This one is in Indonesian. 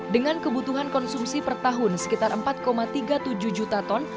dengan kebutuhan konsumsi per tahun sekitar empat tiga puluh tujuh juta ton